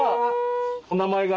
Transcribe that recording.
お名前が？